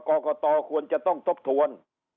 กรกตควรจะต้องทบทวน